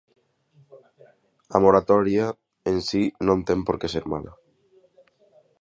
A moratoria en si non ten por que ser mala.